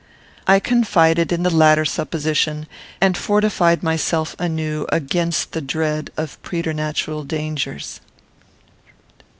I confided in the latter supposition, and fortified myself anew against the dread of preternatural dangers.